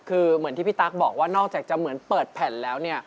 คือเหมือนที่พี่ตั๊กบอกว่านอกจากจะเหมือนเปิดแผ่นแล้วเนี่ย